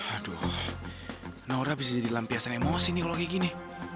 aduh naura bisa jadi lampiasan emosi nih kalau kayak gini